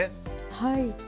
はい。